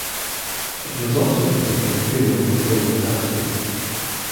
It was also played at the funeral of William Gladstone.